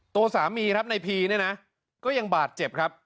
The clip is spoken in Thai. ตัวสามีครับในพีเนี่ยนะก็ยังบาดเจ็บครับ